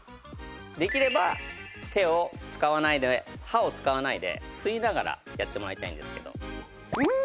できれば手を使わないで歯を使わないで吸いながらやってもらいたいんですけど。